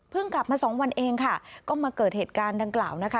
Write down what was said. กลับมาสองวันเองค่ะก็มาเกิดเหตุการณ์ดังกล่าวนะคะ